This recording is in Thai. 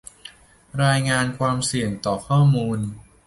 รายงานความเสี่ยงต่อข้อมูล